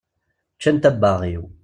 Ččant abbaɣ-iw.